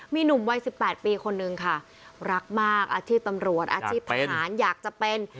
มีหนุ่มวัย๑๘ปีคนนึงค่ะรักมากอาชีพตำรวจอาชีพทหารอยากจะเป็น